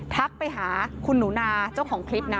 ทักไปหาคุณหนูนาเจ้าของคลิปนะ